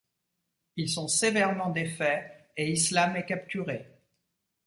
Ils sont sévèrement défaits et Islam est capturé.